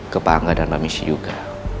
ke pak angga dan mbak missy juga